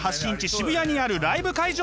渋谷にあるライブ会場。